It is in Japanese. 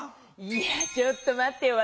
いやちょっとまってよ。